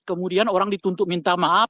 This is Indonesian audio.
kemudian orang dituntut minta maaf